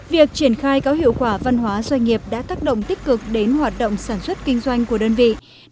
việc triển khai có hiệu quả văn hóa doanh nghiệp đã tác động tích cực đến hoạt động sản xuất kinh doanh của đơn vị